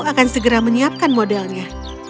akan segera menyiapkan modelnya